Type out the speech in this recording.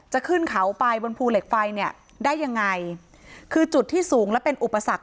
ขึ้นเขาไปบนภูเหล็กไฟเนี่ยได้ยังไงคือจุดที่สูงและเป็นอุปสรรค